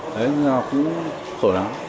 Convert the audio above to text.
thế nhưng mà cũng khổ lắm